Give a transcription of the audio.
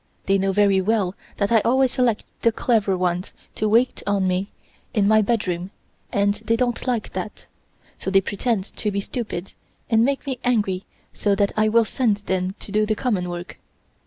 They know very well that I always select the clever ones to wait on me in my bedroom and they don't like that, so they pretend to be stupid and make me angry so that I will send them to do the common work.